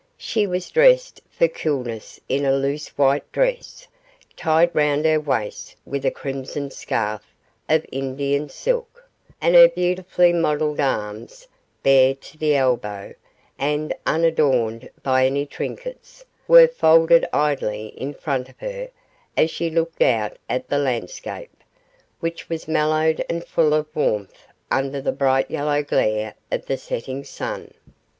She was dressed for coolness in a loose white dress, tied round her waist with a crimson scarf of Indian silk; and her beautifully modelled arms, bare to the elbow, and unadorned by any trinkets, were folded idly in front of her as she looked out at the landscape, which was mellowed and full of warmth under the bright yellow glare of the setting sun.